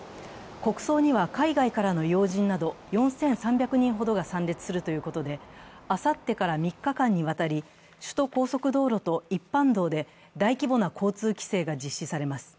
国葬には海外からの要人など４３００人ほどが参列するということであさってから３日間にわたり首都高速道路と一般道で大規模な交通規制が実施されます。